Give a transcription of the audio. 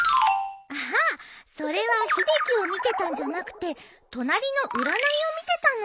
ああそれは秀樹を見てたんじゃなくて隣の占いを見てたの。